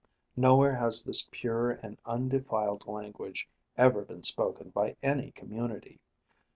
Nowhere has this pure and undefiled language ever been spoken by any community.